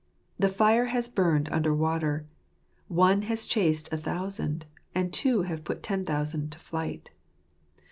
The fire has burned under water. One has chased a thousand ; and two have put ten thousand to flight.